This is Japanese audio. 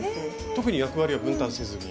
特に役割は分担せずに。